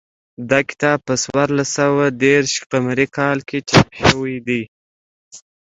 دا کتاب په څوارلس سوه دېرش قمري کال کې چاپ شوی دی